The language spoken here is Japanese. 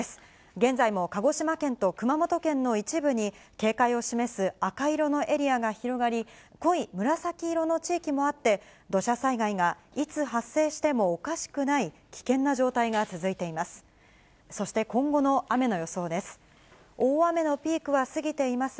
現在も鹿児島県と熊本県の一部に、警戒を示す赤色のエリアが広がり、濃い紫色の地域もあって、土砂災害がいつ発生してもおかしくない危険な状態が続いています。